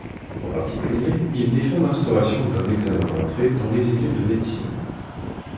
En particulier, il défend l'instauration d'un examen d'entrée dans les études de médecine.